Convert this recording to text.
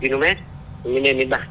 như nền miên bạc